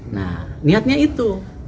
nah niatnya itu